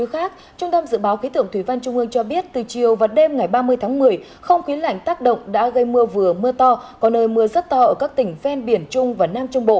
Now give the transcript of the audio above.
hãy đăng ký kênh để nhận thông tin nhất